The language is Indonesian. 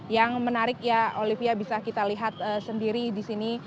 yang menarik ya olivia bisa kita lihat sendiri disini